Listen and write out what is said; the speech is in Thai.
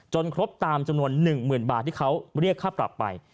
ครบตามจำนวน๑๐๐๐บาทที่เขาเรียกค่าปรับไป